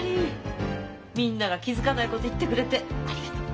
みんなが気付かないこと言ってくれてありがとう。